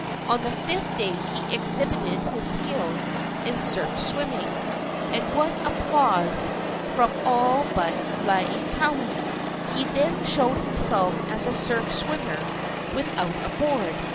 On the fifth day he exhibited his skill in surf swimming, and won applause from all but Laieikawai. He then showed himself as a surf swimmer without a board.